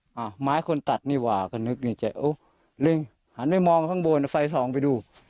หมายคนตัดนี่ว่าก็นึกนี่แจ๊ะโอ้ริงหันไปมองข้างบนไฟส่องไปดู